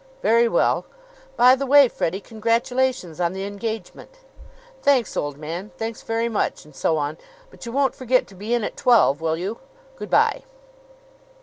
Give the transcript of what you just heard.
"Very well. By the way, Freddie, congratulations on the engagement." "Thanks, old man. Thanks very much, and so on but you won't forget to be in at twelve, will you? Good by."